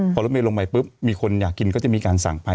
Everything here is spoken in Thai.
พอรถเมลลงไปปุ๊บมีคนอยากกินก็จะมีการสั่งไป